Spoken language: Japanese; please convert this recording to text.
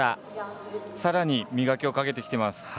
さらに磨きをかけてきています。